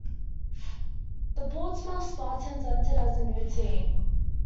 The Portsmouth Spartans entered as a new team.